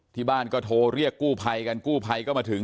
ที่บ้านก็โทรเรียกกู้ภัยกันกู้ภัยก็มาถึง